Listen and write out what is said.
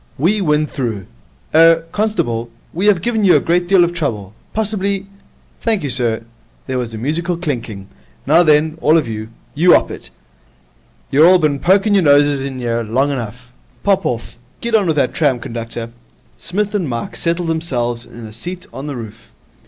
We win through. Er constable, we have given you a great deal of trouble. Possibly ?' 'Thank you, sir.' There was a musical clinking. 'Now then, all of you, you 'op it. You're all bin poking your noses in 'ere long enough. Pop off. Get on with that tram, conductor.' Psmith and Mike settled themselves in a seat on the roof.